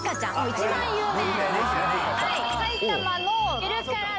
一番有名。